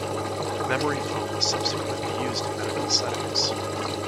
Memory foam was subsequently used in medical settings.